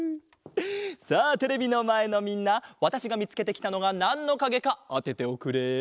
さあテレビのまえのみんなわたしがみつけてきたのがなんのかげかあてておくれ。